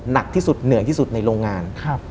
หนักที่สุดเหนื่อยที่สุดในโรงงาน